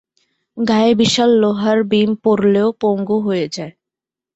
গায়ে বিশাল লোহার বিম পড়লে ও পঙ্গু হয়ে যায়।